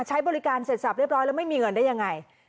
ใช้บริการเสร็จสับเรียบร้อยแล้วไม่มีเงินได้ยังไง